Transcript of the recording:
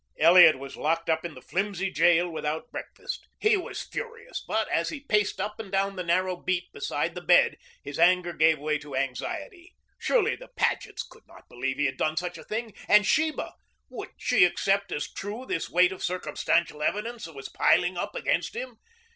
Elliot was locked up in the flimsy jail without breakfast. He was furious, but as he paced up and down the narrow beat beside the bed his anger gave way to anxiety. Surely the Pagets could not believe he had done such a thing. And Sheba would she accept as true this weight of circumstantial evidence that was piling up against him?